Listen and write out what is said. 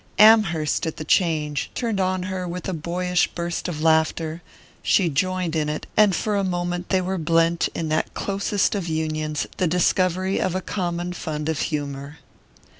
Amherst, at the change, turned on her with a boyish burst of laughter: she joined in it, and for a moment they were blent in that closest of unions, the discovery of a common fund of humour.